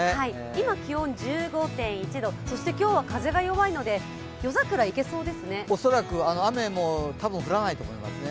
今、気温１５．１度そして今日は風が弱いので恐らく雨もたぶん降らないと思いますね。